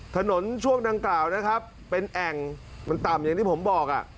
ช่วงดังกล่าวนะครับเป็นแอ่งมันต่ำอย่างที่ผมบอก